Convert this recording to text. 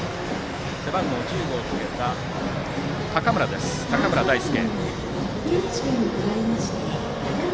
背番号１５をつけた高村大輔。